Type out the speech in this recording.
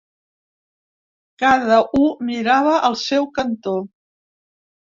Cada u mirava al seu cantó.